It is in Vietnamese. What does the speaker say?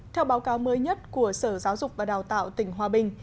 theo báo cáo mới nhất của sở giáo dục và đào tạo tỉnh hòa bình